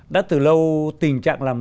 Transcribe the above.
đã từ lâu tình trạng làm